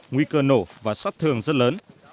nguy cơ nổ và sát thường rất lớn